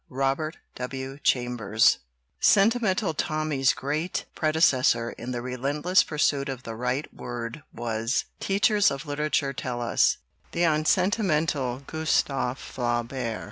ROBERT W CHAMBERS SENTIMENTAL TOMMY'S great predeces sor in the relentless pursuit of the "right word" was, teachers of literature tell us, the un sentimental Gustave Flaubert.